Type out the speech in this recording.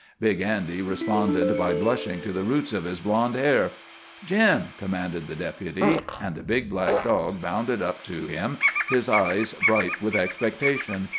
Big Andy responded by blushing to the roots of his blonde hair. "Jim!" commanded the Deputy. And the big black dog bounded up to him, his eyes bright with expectation.